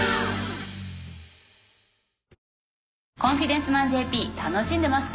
『コンフィデンスマンＪＰ』楽しんでますか？